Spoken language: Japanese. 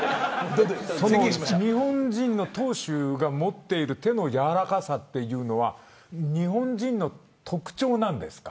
日本人の投手が持っている手の柔らかさというのは日本人の特徴なんですか。